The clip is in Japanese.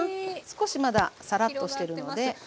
少しまださらっとしてるので。